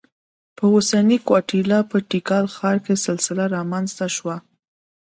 په اوسنۍ ګواتیلا په تیکال ښار کې سلسله رامنځته شوه.